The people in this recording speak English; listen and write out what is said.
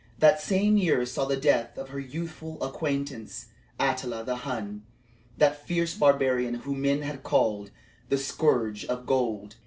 That same year saw the death of her youthful acquaintance, Attila the Hun, that fierce barbarian whom men had called the "Scourge of God."